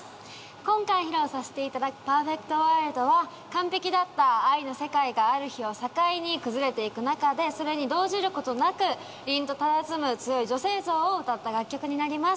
今回披露させていただくＰｅｒｆｅｃｔＷｏｒｌｄは完璧だった愛の世界がある日を境に崩れていく中で、それに動じることなくりんとたたずむ強い女性像を歌った曲になります。